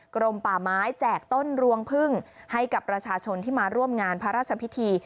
กรมป่าไม้แจกต้นรวงพึ่งให้กับประชาชนที่มาร่วมงานพระราชพิธี